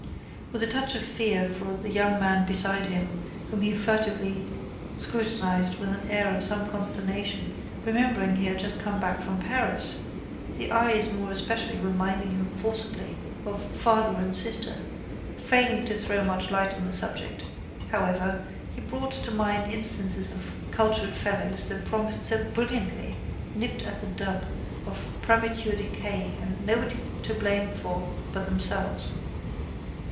With a touch of fear for the young man beside him whom he furtively scrutinised with an air of some consternation remembering he had just come back from Paris, the eyes more especially reminding him forcibly of father and sister, failing to throw much light on the subject, however, he brought to mind instances of cultured fellows that promised so brilliantly nipped in the bud of premature decay and nobody to blame but themselves.